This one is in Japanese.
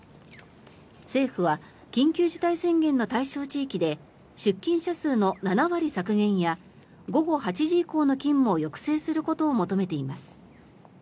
政府は緊急事態宣言の対象地域で出勤者数の７割削減や午後８時以降の勤務を抑制することを求めています。